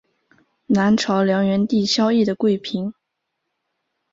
南朝梁元帝萧绎的贵嫔。